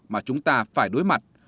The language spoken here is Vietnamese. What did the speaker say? mà chúng ta phải đối mặt